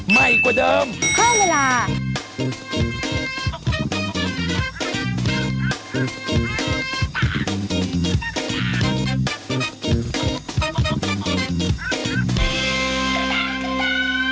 ใหม่กว่าเดิมเพิ่มเวลา